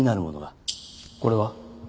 これは？